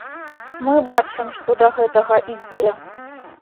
Мы бачым, што да гэтага ідзе.